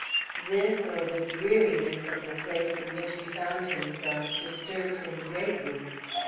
This or the dreariness of the place in which he found himself disturbed him greatly.